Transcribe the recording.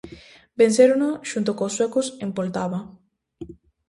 Vencérono xunto cos suecos en Poltava.